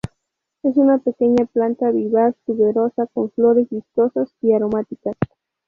Es una pequeña planta vivaz tuberosa con flores vistosas y aromáticas.